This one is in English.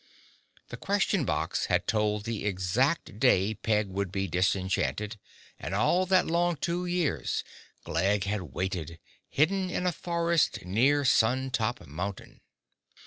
The Question Box had told the exact day Peg would be disenchanted and all that long two years Glegg had waited, hidden in a forest near Sun Top Mountain.